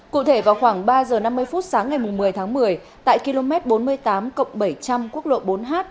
cụ thể vào khoảng ba h năm mươi phút sáng ngày một mươi tháng một mươi tại km bốn mươi tám cộng bảy trăm linh quốc lộ bốn h